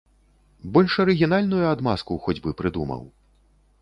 Больш арыгінальную адмазку хоць бы прыдумаў.